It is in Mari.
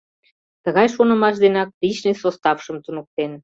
Тыгай шонымаш денак личный составшым туныктен.